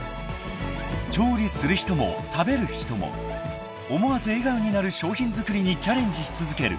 ［調理する人も食べる人も思わず笑顔になる商品作りにチャレンジし続ける］